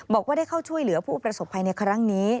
บอกว่าได้เข้าช่วยเหลือผู้ประสบภัยในครั้งนี้